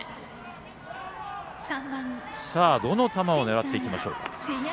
どの球を狙っていきましょうか。